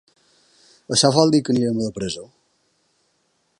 Això vol dir que anirem a la presó?